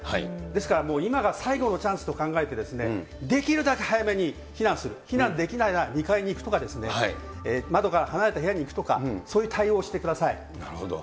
ですからもう今が最後のチャンスと考えて、できるだけ早めに避難する、避難できないなら２階に行くとか、窓から離れた部屋に行くとか、そういう対応をしてくださなるほど。